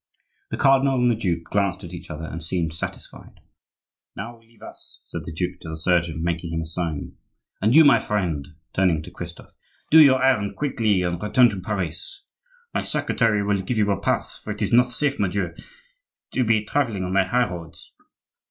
The cardinal and the duke glanced at each other and seemed satisfied. "Now leave us," said the duke to the surgeon, making him a sign. "And you my friend," turning to Christophe; "do your errand quickly and return to Paris. My secretary will give you a pass, for it is not safe, mordieu, to be travelling on the high roads!"